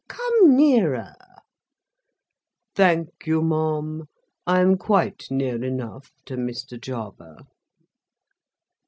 Come nearer." "Thank you, ma'am; I am quite near enough to Mr. Jarber."